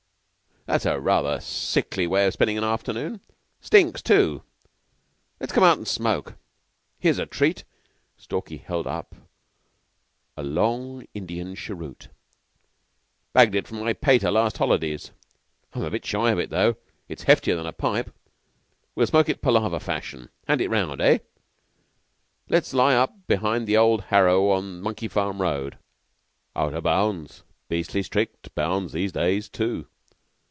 "That's rather a sickly way of spending an afternoon. Stinks too. Let's come out an' smoke. Here's a treat." Stalky held up a long Indian cheroot. "'Bagged it from my pater last holidays. I'm a bit shy of it though; it's heftier than a pipe. We'll smoke it palaver fashion. Hand it round, eh? Let's lie up behind the old harrow on the Monkey farm Road." "Out of bounds. Bounds beastly strict these days, too.